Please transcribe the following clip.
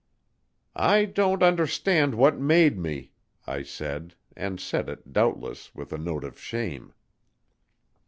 "I don't understand what made me," I said, and said it, doubtless, with a note of shame.